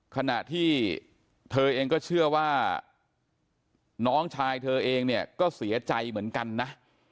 ขณะที่เธอเองก็เชื่อว่าน้องชายเธอเองเนี่ยก็เสียใจเหมือนกันนะ